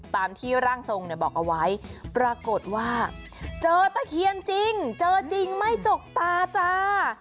ตามที่ร่างทรงเนี่ยบอกเอาไว้ปรากฏว่าเจอตะเคียนจริงเจอจริงไม่จกตาจ้า